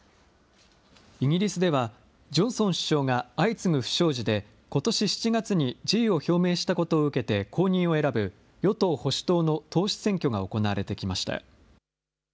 イギリスでは、ジョンソン首相が相次ぐ不祥事で、ことし７月に辞意を表明したことを受けて後任を選ぶ与党・保守党の党首選挙が行われてきました。